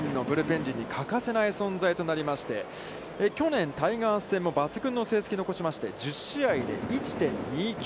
ここから巨人のブルペン陣に欠かせない存在になりまして、去年タイガース戦も抜群の成績を残しまして、１０試合で１．２９。